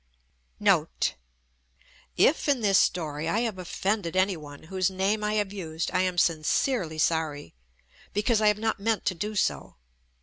NOTE If in this story I have offended any one whose name I have used I am sincerely sorry because I have not meant to do so.